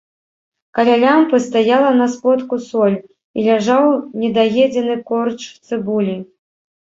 Каля лямпы стаяла на сподку соль і ляжаў недаедзены корч цыбулі.